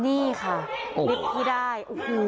นี่ค่ะลิฟท์ที่ได้